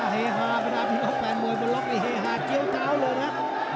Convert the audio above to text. เฮฮาแบบนี้ก็แปลงมวยบรรล็อกเฮฮาเจี้ยวเจ้าเลยนะ